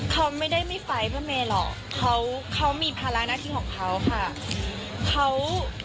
เขาไม่ได้ไม่ไปเพื่อเมย์หรอกเขามีภาระหน้าที่ของเขาค่ะ